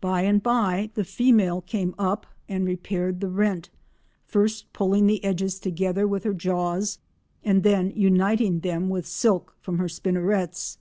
By and by the female came up and repaired the rent, first pulling the edges together with her jaws and then uniting them with silk from her spinnerets.